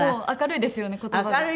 明るいですよね。